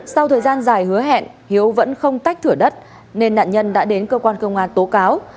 sau thời gian dài hứa hẹn hiếu vẫn không tách thửa đất nên nạn nhân đã đến cơ quan công an tố cáo